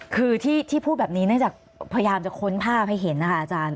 คือที่พูดแบบนี้เนื่องจากพยายามจะค้นภาพให้เห็นนะคะอาจารย์